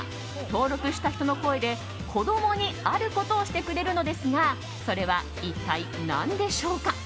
登録した人の声で子供にあることをしてくれるのですがそれは一体なんでしょうか。